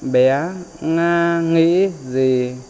bé nga nghĩ gì